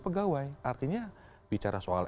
pegawai artinya bicara soal